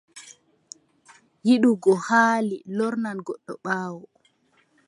Yiddugo haali lornan goɗɗo ɓaawo.